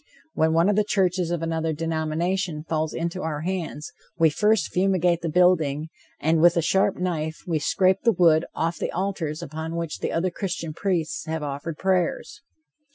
When one of the churches of another denomination falls into our hands, we first fumigate the building, and with a sharp knife we scrape the wood off the altars upon which other Christian priests have offered prayers.